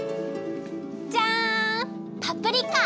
じゃんパプリカ！